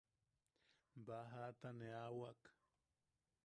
Baajata ne aʼawak.